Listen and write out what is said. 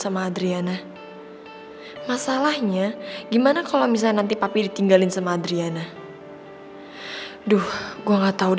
astagfirullah gimana coba gue selamatin tapi dari si mahmud